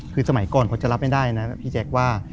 คือสมัยก่อนเขาจะรับไม่ได้นะพี่แจ๊คว่า